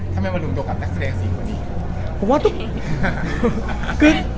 ทำไมมันหนุ่มตัวกับแท็กซ์แสดง๔คนดี